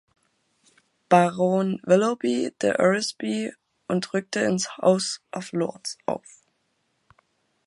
Baron Willoughby de Eresby und rückte ins House of Lords auf.